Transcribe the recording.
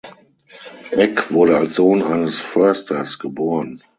Eck wurde als Sohn eines Försters geboren.